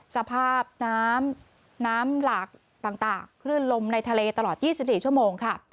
สภาพน้ำน้ำหลากต่างต่างคลื่นลมในทะเลตลอดยี่สิบสี่ชั่วโมงค่ะ